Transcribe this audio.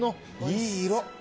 いい色。